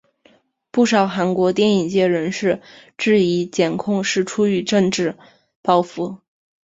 不少韩国电影界人士质疑检控是出于政治报复。